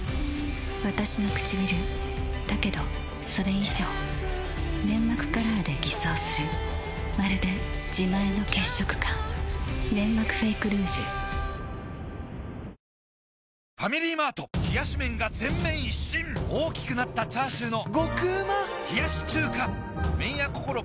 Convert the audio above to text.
わたしのくちびるだけどそれ以上粘膜カラーで偽装するまるで自前の血色感「ネンマクフェイクルージュ」大きくなったチャーシューの麺屋こころ